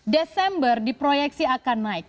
desember di proyeksi akan naik